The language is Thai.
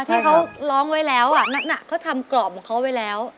ที่เขาร้องไว้แล้วเขาทำกรอบของเขาไว้แล้ว